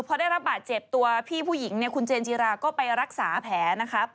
เพราะได้ระบาดเจ็บตัวพี่ผู้หญิงคุณเจนจีราก็ไปรักษาแผลนะครับ